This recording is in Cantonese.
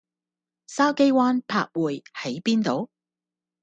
筲箕灣柏匯喺邊度？